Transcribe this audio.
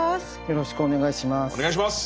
よろしくお願いします。